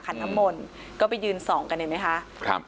น้ำมนต์ก็ไปยืนส่องกันเห็นไหมคะครับ